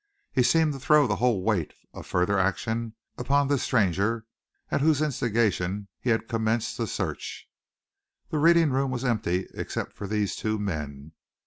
He seemed to throw the whole weight of further action upon this stranger at whose instigation he had commenced the search. The reading room was empty except for these two men.